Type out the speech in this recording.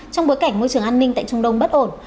trong bối cảnh môi trường an ninh tại trung đông bất ổn